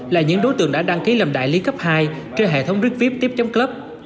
là những đối tượng đã đăng ký làm đại lý cấp hai trên hệ thống rước viếp tiếp chấm club